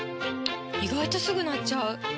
意外とすぐ鳴っちゃう！